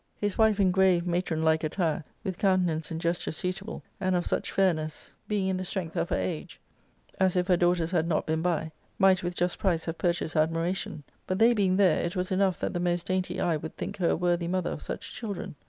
" His wife in grave matron like attire, with countenance and gesture suitable, and of such fairness, being in the X ARCADIA,^Book L 73 strength of her age, as, if her daughters had not been by^ might with just price have purchased admiration ; but they being there, it was enough that the most dainty eye would think her a worthy mother of such children.